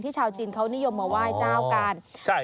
ชาวจีนเขานิยมมาไหว้เจ้ากัน